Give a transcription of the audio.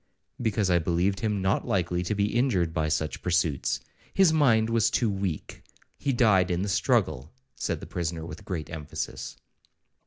'—'Because I believed him not likely to be injured by such pursuits; his mind was too weak,—he died in the struggle,' said the prisoner with great emphasis.